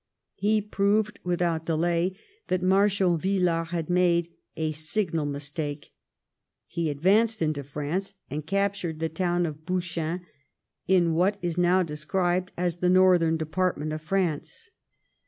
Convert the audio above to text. He proved without delay that Marshal Villars had made a signal mistake. He advanced into France and captured the town of Bouchain, in what is now described as the northern department of France.